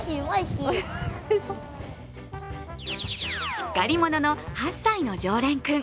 しっかり者の８歳の常連君。